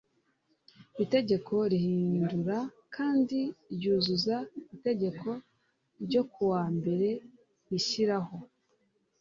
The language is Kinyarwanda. itegeko rihindura kandi ryuzuza itegeko n ryo ku wa mbere rishyiraho